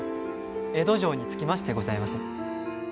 江戸城に着きましてございます。